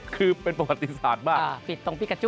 คือเป็นประวัติศาสตร์มาก